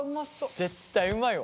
絶対うまいわ。